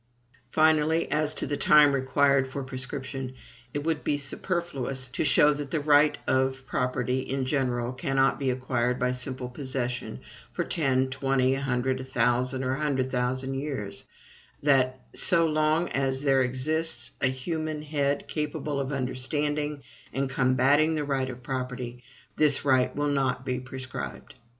Finally, as to the time required for prescription, it would be superfluous to show that the right of property in general cannot be acquired by simple possession for ten, twenty, a hundred, a thousand, or one hundred thousand years; and that, so long as there exists a human head capable of understanding and combating the right of property, this right will never be prescribed.